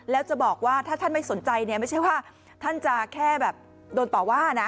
แล้วจะบอกว่าถ้าท่านไม่สนใจเนี่ยไม่ใช่ว่าท่านจะแค่แบบโดนต่อว่านะ